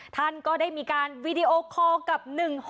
ท่านก็ได้มีการวีดีโอคอลกับ๑๖๖